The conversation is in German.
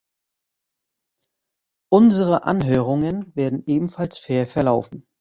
Unsere Anhörungen werden ebenfalls fair verlaufen.